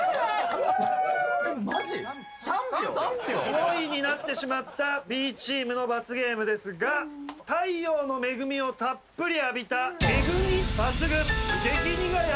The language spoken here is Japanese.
４位になってしまったＢチームの罰ゲームですが太陽の恵みをタップリ浴びたです